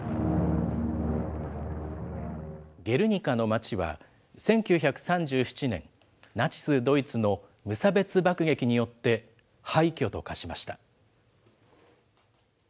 ゲルニカの町は、１９３７年、ナチス・ドイツの無差別爆撃によって廃虚と化しました。